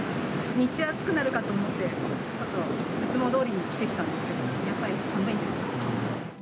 日中暑くなるかと思って、ちょっと、いつもどおりに着てきたんですけど、やっぱり寒いです。